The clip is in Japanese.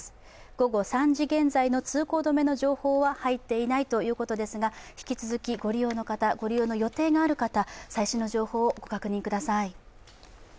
午後３時現在の通行止めの情報は入っていないということですが引き続きご利用中の方、ご利用の予定がある方、最新の情報をご確認ください。